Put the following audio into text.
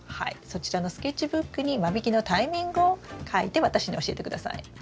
そちらのスケッチブックに間引きのタイミングを書いて私に教えて下さい。